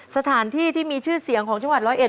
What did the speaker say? สถานที่ที่มีชื่อเสียงของจังหวัดร้อยเอ็